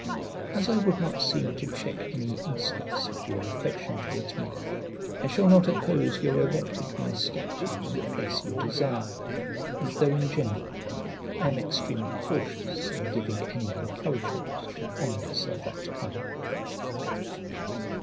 As I would not seem to check any instance of your affection towards me, I shall not oppose your erecting my statue in the place you desire; though in general I am extremely cautious in giving any encouragement to honours of that kind.